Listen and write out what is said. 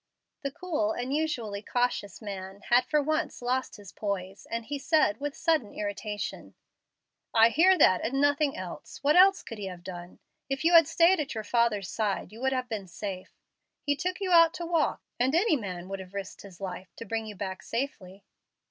The cool and usually cautious man had for once lost his poise, and he said, with sudden irritation, "I hear that and nothing else. What else could he have done? If you had stayed at your father's side you would have been safe. He took you out to walk, and any man would have risked his life to bring you back safely."